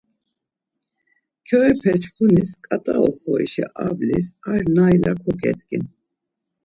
Kyoepeçkunis ǩat̆a oxorişi avlas ar nayla kogedgin.